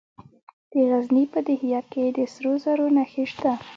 د غزني په ده یک کې د سرو زرو نښې شته.